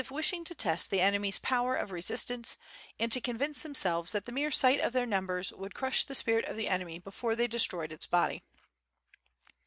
wishing to test the enemy's power of resistance and to con vince themselves that the mere sight of their numbers would crush the spirit of the enemy before they destroyed its body.